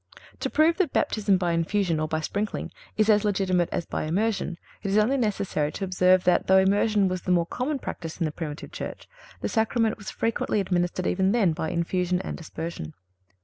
To prove that Baptism by infusion or by sprinkling is as legitimate as by immersion, it is only necessary to observe that, though immersion was the more common practice in the Primitive Church, the Sacrament was frequently administered even then by infusion and aspersion.